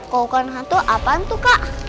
kalau bukan hantu apa hantu kak